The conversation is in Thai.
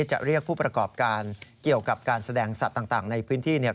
จะเรียกผู้ประกอบการเกี่ยวกับการแสดงสัตว์ต่างในพื้นที่เนี่ย